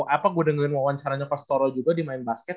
apa gue dengerin wawancaranya pastorro juga di main basket